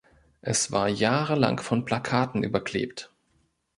Es war jahrelang von Plakaten überklebt.